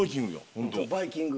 そうバイキング。